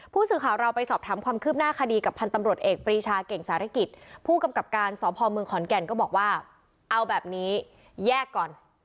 ผู้สื่อข่าวเราไปสอบถามความคืบหน้าคดีกับพันธ์ตำรวจเอกปรีชาเก่งสารกิจผู้กำกับการสพเมืองขอนแก่นก็บอกว่าเอาแบบนี้แยกก่อน